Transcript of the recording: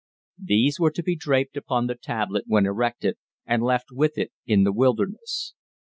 These were to be draped upon the tablet when erected and left with it in the wilderness.